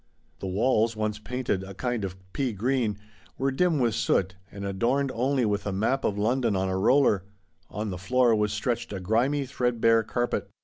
The walls, once painted a kind of pea green, were dim with soot, and adorned only with a map of London on a roller ; on the floor was stretched a grimy, threadbare carpet.